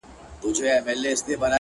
o مخ به در واړوم خو نه پوهېږم ـ